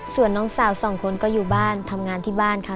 ส่วนน้องสาวสองคนก็อยู่บ้านทำงานที่บ้านค่ะ